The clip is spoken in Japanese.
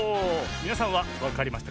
みなさんはわかりましたか？